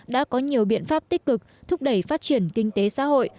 đã có nhiều biện pháp tích cực thúc đẩy phát triển kinh tế xã hội